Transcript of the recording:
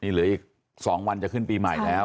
เหลืออีก๒วันจะขึ้นปีใหม่แล้ว